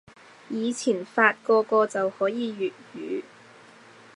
以前發個個就可以粵語